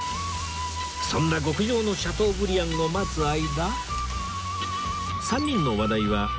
そんな極上のシャトーブリアンを待つ間